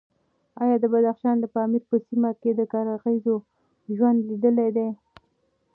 ایا د بدخشان د پامیر په سیمه کې د قرغیزو ژوند لیدلی دی؟